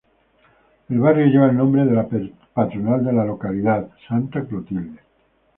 El barrio lleva el nombre de la patrona de la localidad Santa Clotilde.